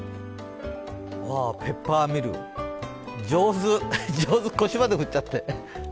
ペッパーミル、上手、腰まで振っちゃって。